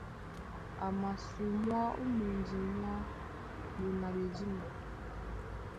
A masumwá ó mundi mwá ɓona ɓedímo.